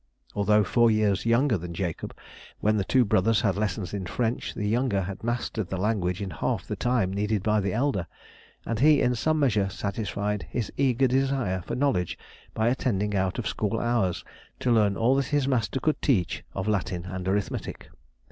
Although four years younger than Jacob, when the two brothers had lessons in French, the younger had mastered the language in half the time needed by the elder, and he in some measure satisfied his eager desire for knowledge by attending out of school hours to learn all that his master could teach of Latin and arithmetic.